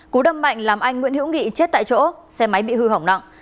cú đâm mạnh làm anh nguyễn hữu nghị chết tại chỗ xe máy bị hư hỏng nặng